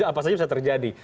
apa saja bisa terjadi